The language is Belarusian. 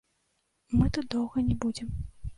Мы тут доўга не будзем.